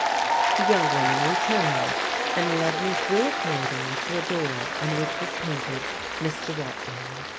The young woman returned, and led me through a corridor to a door on which was painted Mr. Wailing.